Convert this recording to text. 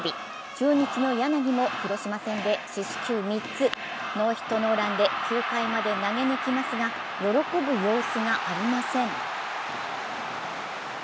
中日の柳も広島戦で四死球３つ、ノーヒットノーランで９回まで投げ抜きますが、喜ぶ様子がありません。